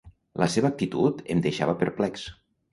La seva actitud em deixava perplex.